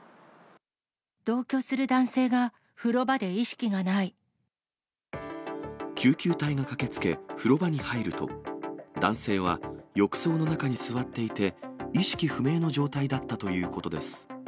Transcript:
同居する男性が風呂場で意識救急隊が駆けつけ、風呂場に入ると、男性は浴槽の中に座っていて、意識不明の状態だったということです。